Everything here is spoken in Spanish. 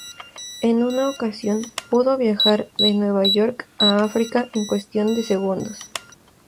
En una ocasión pudo viajar de Nueva York a África en cuestión de segundos.